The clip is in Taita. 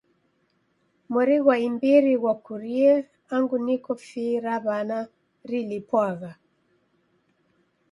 Mori ghwa imbiri ghwakurie angu niko fii ra w'ana rilipwagha